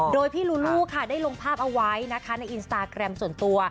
โดยพี่ลูลูค่ะได้ลงภาพเอาไว้นะคะในอินสตาแกรมส่วนตัว